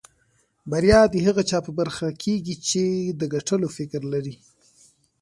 بريا د هغه چا په برخه کېږي چې د ګټلو فکر لري.